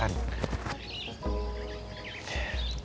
tapi aku kebuka